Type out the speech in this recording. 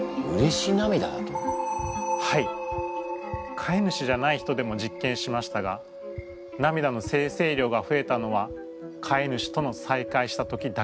飼い主じゃない人でも実験しましたが涙の生成量がふえたのは飼い主との再会した時だけでした。